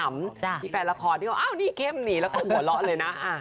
มีแฟนละครที่เขาอ้าวนี่เข้มหนีแล้วก็หัวเราะเลยนะ